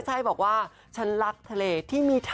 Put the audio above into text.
ใช่บอกว่าฉันรักทะเลที่มี